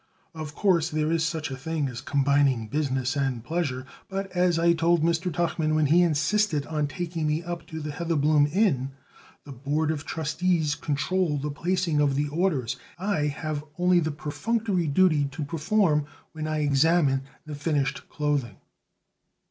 Of course, there is such a thing as combining business and pleasure; but, as I told Mr. Tuchman when he insisted on taking me up to the Heatherbloom Inn, the Board of Trustees control the placing of the orders. I have only a perfunctory duty to perform when I examine the finished clothing."